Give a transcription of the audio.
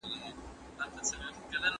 شاګرد د موضوع په اړه فکر کاوه.